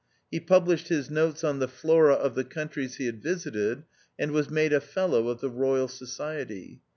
He published his notes on the Flora of the countries he had visited, and was made a Fellow of the Royal Society.